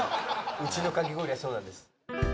うちのかき氷はそうなんです